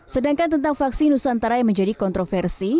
sedangkan tentang vaksin nusantara yang menjadi kontroversi